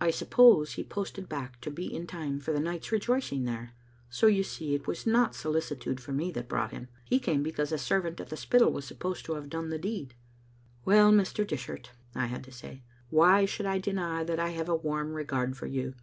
I suppose he posted back to be in time for the night's rejoicings there. So you see, it was not solicitude for me that brought him. He came because a servant at the Spittal was supposed to have done the deed." "Well, Mr. Dishart," I had to say, "why should I deny that I have a warm regard for you?